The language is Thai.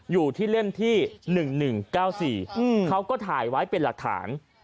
อยู่ที่เล่มที่หนึ่งหนึ่งเก้าสี่อืมเขาก็ถ่ายไว้เป็นหลักฐาน